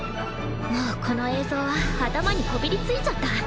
もうこの映像は頭にこびりついちゃった。